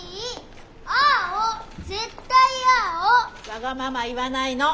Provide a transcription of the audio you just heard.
わがまま言わないの！